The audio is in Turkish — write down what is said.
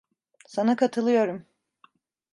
Sana katılıyorum.